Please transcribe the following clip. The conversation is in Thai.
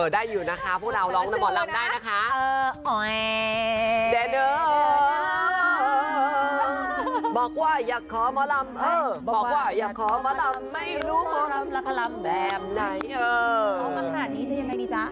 ได้อยู่นะคะพวกเราร้องแต่หมอลำได้นะคะ